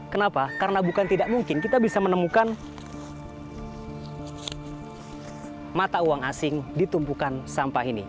kenapa karena bukan tidak mungkin kita bisa menemukan mata uang asing di tumpukan sampah ini